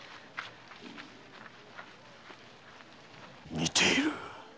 似ている。